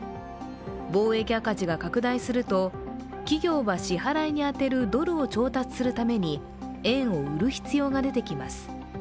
貿易赤字が拡大すると企業は支払いに充てるドルを調達するために円を売る必要が出てきます。